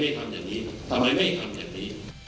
ที่จะบอกว่าทำไมไม่ทำอย่างนี้